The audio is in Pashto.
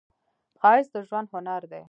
ښایست د ژوند هنر دی